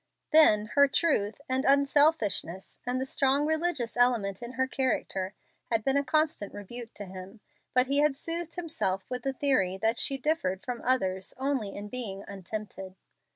Then her truth and unselfishness, and the strong religious element in her character, had been a constant rebuke to him, but he had soothed himself with the theory that she differed from others only in being untempted.